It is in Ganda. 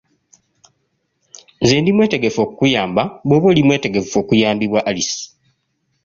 Nze ndi mwetegefu okukuyamba bw’oba oli mwetegefu okuyambibwa Alice.